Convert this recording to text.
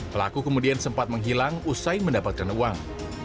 pelaku kemudian sempat menghilang usai mendapatkan uang